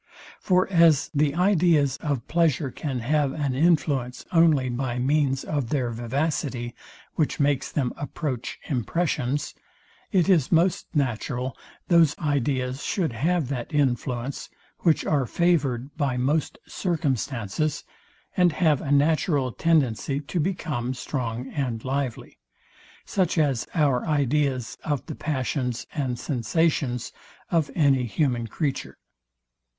For as the ideas of pleasure can have an influence only by means of their vivacity, which makes them approach impressions, it is most natural those ideas should have that influence, which are favoured by most circumstances, and have a natural tendency to become strong and lively; such as our ideas of the passions and sensations of any human creature.